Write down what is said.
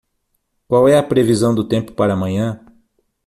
Qual é a previsão do tempo para amanhã?